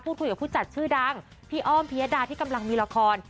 พูดคุยกับผู้จัดชื่อดังพี่อ้อมพิยดาที่กำลังมีละคร